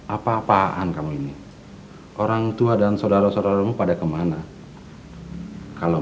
aku tidak peduli dengan persoalan seperti itu